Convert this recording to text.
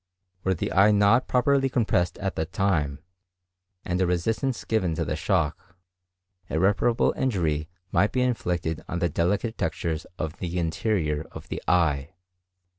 Were the eye not properly compressed at that time, and a resistance given to the shock, irreparable injury might be inflicted on the delicate textures of the interior of the eye."